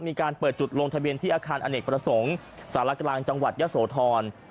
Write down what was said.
มีการเปิดจุดลงทะเบียนที่อาคารอเนกประสงค์สารกลางจังหวัดยะโสธร